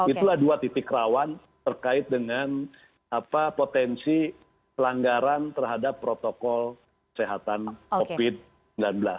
itulah dua titik rawan terkait dengan potensi pelanggaran terhadap protokol kesehatan covid sembilan belas